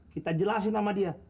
kita jelasin sama dia